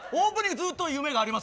ずっと夢があります